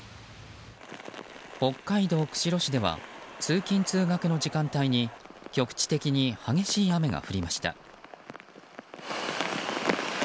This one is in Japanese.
北海道釧路市では通勤・通学の時間帯に局地的に激しい雨が降りました。